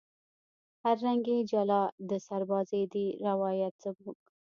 هر رنگ یې جلا د سربازۍ دی روایت زموږ